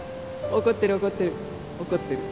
怒ってる怒ってる怒ってる。